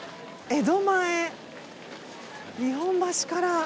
江戸前日本橋から。